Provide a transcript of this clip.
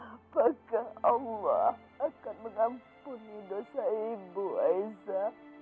apakah allah akan mengampuni dosa ibu aiza